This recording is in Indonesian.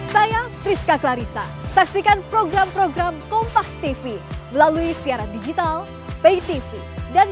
saya priska clarissa saksikan program program kompas tv melalui siaran digital pay tv dan